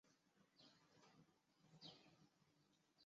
马克特圣马丁是奥地利布尔根兰州上普伦多夫县的一个市镇。